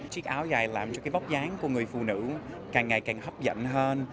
chiếc áo dài làm cho cái bóp dáng của người phụ nữ càng ngày càng hấp dẫn hơn